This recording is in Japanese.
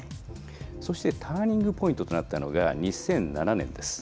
そしてターニングポイントとなったのが２００７年です。